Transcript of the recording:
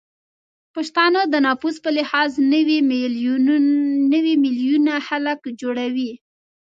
پښتانه د نفوس به لحاظ نوې میلیونه خلک جوړوي